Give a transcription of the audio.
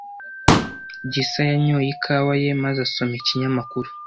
Gisa yanyoye ikawa ye maze asoma ikinyamakuru.